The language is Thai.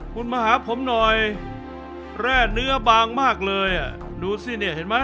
คุณมาหาผมหน่อยแร่เนื้อบางมากเลยอ่ะดูสิเนี่ยเห็นไหม